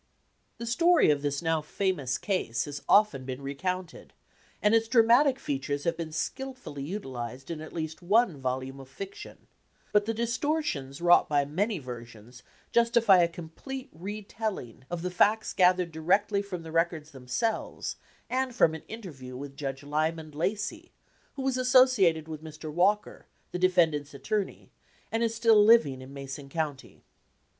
The story of this now famous case has often been recounted, and its dramatic features have been skilfully utilized in at least one volume of fiction, 1 but the distortions wrought by many versions justify a complete retelling of the facts gathered directly from the records themselves and from an interview with Judge Lyman Lacey, who was associated with Mr. Walker, the def end l See Edward Eggleston's "The Graysons." 229 LINCOLN THE LAWYER ant's attorney, and is still living in Mason County.